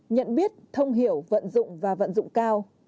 nhận biết thông hiểu vận dụng và vận dụng cao